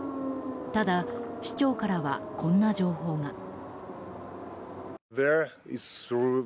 ただ、市長からはこんな情報が。